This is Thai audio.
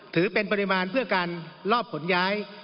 ถือเป็นปริมาณเพื่อการรอบขนย้าย